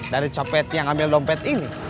dari copet yang ambil dompet ini